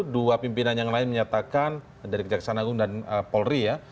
dua pimpinan yang lain menyatakan dari kejaksaan agung dan polri ya